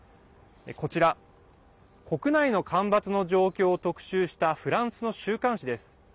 こちら、国内の干ばつの状況を特集したフランスの週刊誌です。